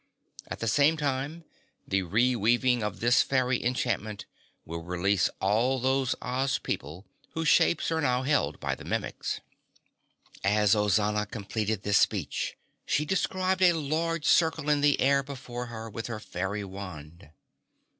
At the same time, the re weaving of this fairy enchantment will release all those Oz people whose shapes are now held by the Mimics." As Ozana completed this speech, she described a large circle in the air before her with her fairy wand.